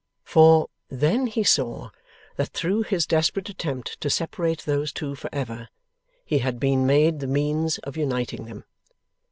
For, then he saw that through his desperate attempt to separate those two for ever, he had been made the means of uniting them.